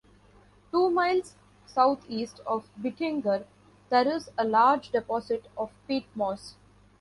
Two miles southeast of Bittinger, there is a large deposit of peat moss.